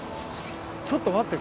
ちょっと待って。